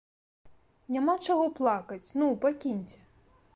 Няма чаго плакаць, ну, пакіньце!